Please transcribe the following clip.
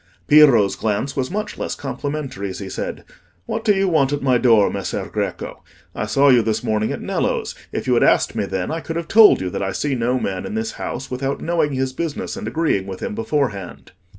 Piero's glance was much less complimentary as he said— "What do you want at my door, Messer Greco? I saw you this morning at Nello's; if you had asked me then, I could have told you that I see no man in this house without knowing his business and agreeing with him beforehand."